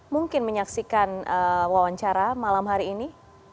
mungkin menyaksikan wawancara malam hari ini